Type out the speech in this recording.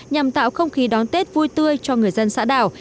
nhằm tạo không khí đón tết vui tươi cho người dân xã đảo